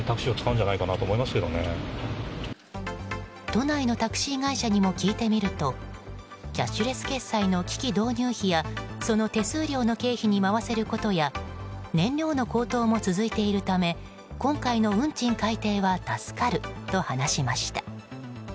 都内のタクシー会社にも聞いてみるとキャッシュレス決済の機器導入費やその手数料の経費に回せることや燃料の高騰も続いているため今回の運賃改定は助かると話しました。